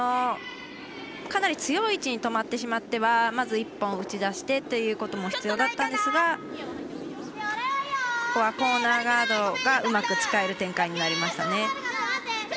かなり強い位置に止まってしまっては、まず１本打ち出してということも必要だったんですがここはコーナーガードがうまく使える展開になりました。